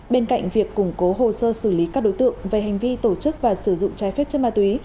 bên cạnh việc củng cố hồ sơ xử lý các đối tượng về hành vi tổ chức và sử dụng trái phép chất ma túy